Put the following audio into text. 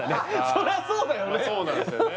そりゃそうだよね・